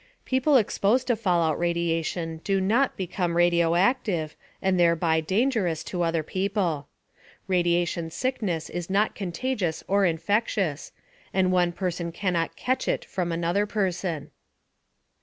People exposed to fallout radiation do not become radioactive and thereby dangerous to other people. Radiation sickness is not contagious or infectious, and one person cannot "catch it" from another person.